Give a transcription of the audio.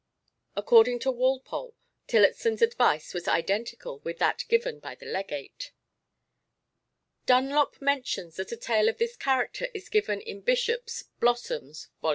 According to Walpole, Tillotson's advice was identical with that given by the Legate. Dunlop mentions that a tale of this character is given in Byshop's Blossoms (vol.